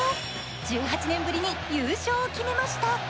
１８年ぶりに優勝を決めました。